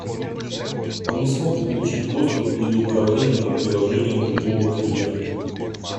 Он не смог получить доступ или управление над приложением другого клиента